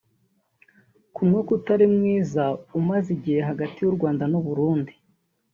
Ku mwuka utari mwiza umaze igihe hagati y’u Rwanda n’u Burundi